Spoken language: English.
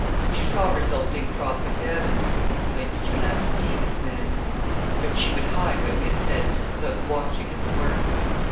She saw herself being cross examined—"When did you last see this man?" But she would hide what he had said about watching at the works.